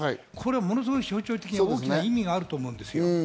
これはものすごい象徴的、意味があると思うんですよ。